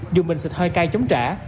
dùng bình xịt hơi cay chống trả